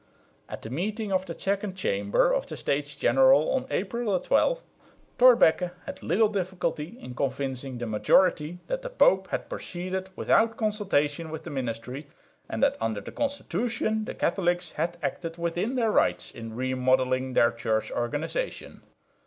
At the meeting of the Second Chamber of the States General on April 12, Thorbecke had little difficulty in convincing the majority that the Pope had proceeded without Consultation with the ministry, and that under the Constitution the Catholics had acted within their rights in re modelling their Church organisation.